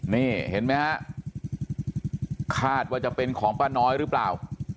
นี่เห็นไหมฮะคาดว่าจะเป็นของป้าน้อยหรือเปล่า